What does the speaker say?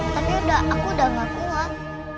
tapi aku udah gak kuat